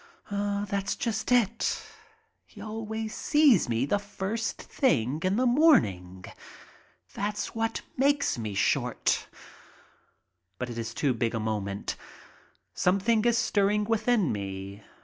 That's just it. He always sees me the first thing in the morning. That's what makes me short. But it is too big a moment. Something is stirring within me.